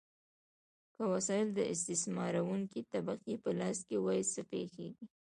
که وسایل د استثمارونکې طبقې په لاس کې وي، څه پیښیږي؟